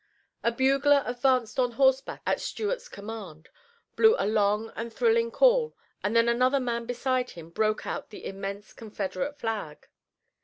A bugler advanced on horseback at Stuart's command, blew a long and thrilling call, and then another man beside him broke out an immense Confederate flag.